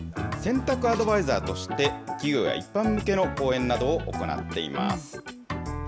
洗濯アドバイザーとして、企業や一般向けの講演などを行っています。